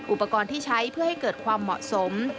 อุปกรณ์ที่ใช้เพื่อให้เกิดความเหมาะสม